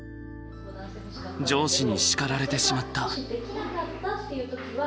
上司に叱られてしまった。